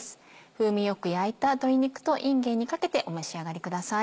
風味よく焼いた鶏肉といんげんにかけてお召し上がりください。